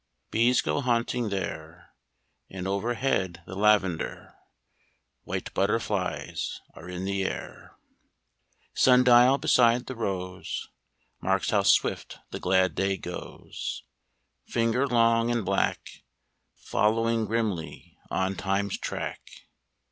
Bees go haunting there, And overhead the lavender White butterflies are in the air. Sundial beside the rose Marks how swift the glad day goes : Finger long and black Following grimly on time's track.